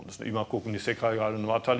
ここに世界があるのは当たり前。